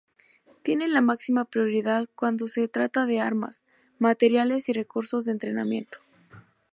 Tiene la máxima prioridad cuando se trata de armas, materiales y recursos de entrenamiento.